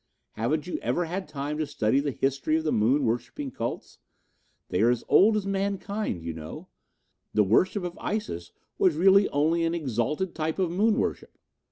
Haven't you ever had time to study the history of the moon worshipping cults? They are as old as mankind, you know. The worship of Isis was really only an exalted type of moon worship.